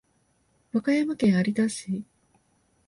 和歌山県有田市